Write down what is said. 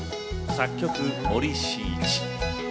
作曲森進一。